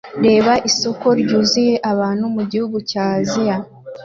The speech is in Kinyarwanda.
Reba isoko ryuzuye abantu mugihugu cya Aziya